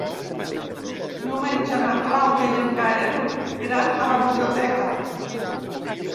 Diumenge na Clàudia i en Gaël iran a la biblioteca.